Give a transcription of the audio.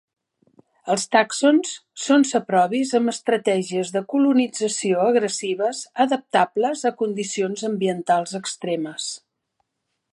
Els tàxons són saprobis amb estratègies de colonització agressives, adaptables a condicions ambientals extremes.